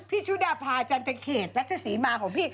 พี่ชุดาภาจันติฆรกฤษและเจสีมาของพี่